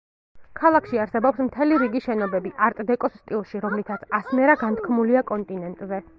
ქალაქში არსებობს მთელი რიგი შენობები არტ-დეკოს სტილში, რომლითაც ასმერა განთქმულია კონტინენტზე.